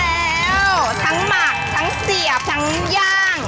แล้วทั้งหมักทั้งเสียบทั้งย่าง